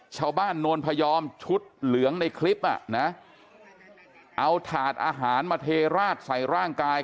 ชาวบ้านโนลพยอมชุดเหลืองในคลิปเอาถาดอาหารมาเทราดใส่ร่างกาย